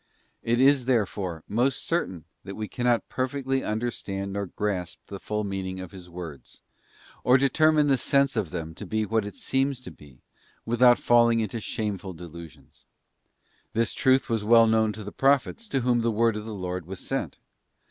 It is, therefore, most certain that we cannot perfectly understand nor grasp the full meaning of His words, or determine the sense of them to be what it seems to be, without falling into shameful delusions. This truth was well known to the Prophets to whom the word of the Lord was sent.